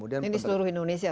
ini di seluruh indonesia